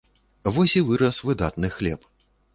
Вось і вырас выдатны хлеб.